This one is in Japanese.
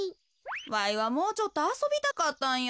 わいはもうちょっとあそびたかったんや。